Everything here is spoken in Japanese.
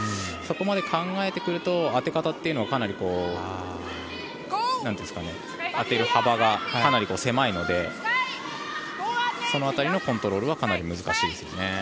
そこまで考えてくると当て方というのはかなり当てる幅がかなり狭いのでその辺りのコントロールはかなり難しいですね。